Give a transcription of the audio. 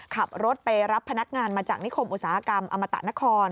ขับรถไปรับพนักงานมาจากนิคมอุตสาหกรรมอมตะนคร